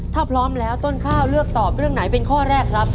ถ้าพร้อมแล้วต้นข้าวเลือกตอบเรื่องไหนเป็นข้อแรกครับ